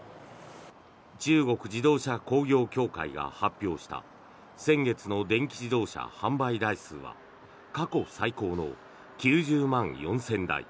中国自動車工業協会が発表した先月の電気自動車販売台数は過去最高の９０万４０００台。